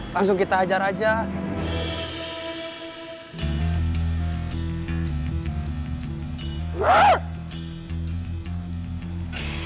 langsung kita ajar ajak